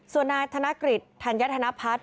ส่วนนายธนกฤษธัญธนพัฒน์